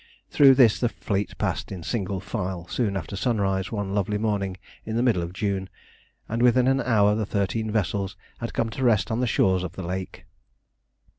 Through this the fleet passed in single file soon after sunrise one lovely morning in the middle of June, and within an hour the thirteen vessels had come to rest on the shores of the lake.